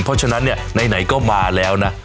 เพราะฉะนั้นเนี่ยไหนก็มาแล้วนะ